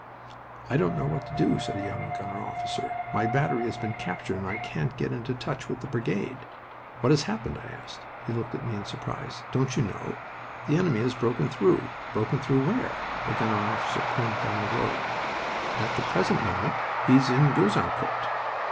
"I don't know what to do," said a young gunner officer. "My battery has been captured and I can't get into touch with the brigade." "What has happened?" I asked. He looked at me in surprise. "Don't you know? The enemy has broken through." "Broken through where?" The gunner officer pointed down the road. "At the present moment he's in Gouzeaucourt."